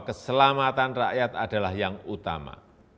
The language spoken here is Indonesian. keselamatan rakyat adalah yang utama